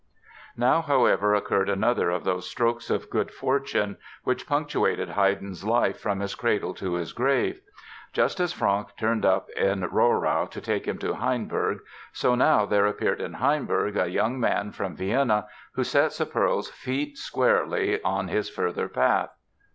Now, however, occurred another of those strokes of good fortune which punctuated Haydn's life from his cradle to his grave. Just as Franck turned up in Rohrau to take him to Hainburg, so now there appeared in Hainburg a young man from Vienna who set "Sepperl's" feet squarely on his further path.